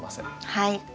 はい。